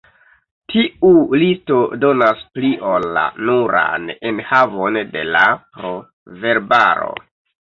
Tiu listo donas pli ol la nuran enhavon de la proverbaro.